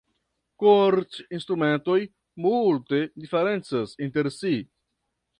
Kord-instrumentoj multe diferencas inter si.